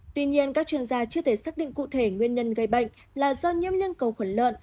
tuy nhiên các chuyên gia chưa thể xác định cụ thể nguyên nhân gây bệnh là do nhiễm liên cầu khuẩn lợn